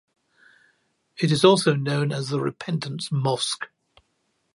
It is also known as the Repentance Mosque.